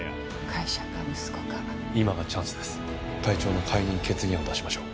会長の解任決議案を出しましょう。